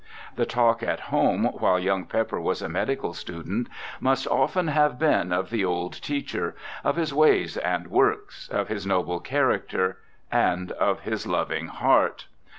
The talk at home while young Pepper was a medical student must often have been of the old teacher, of his ways and works, of his noble character and of his loving heart.